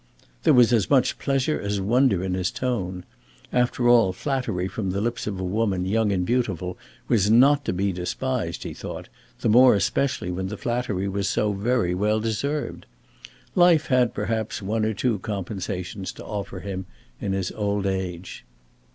There was as much pleasure as wonder in his tone. After all, flattery from the lips of a woman young and beautiful was not to be despised, he thought, the more especially when the flattery was so very well deserved. Life had perhaps one or two compensations to offer him in his old age.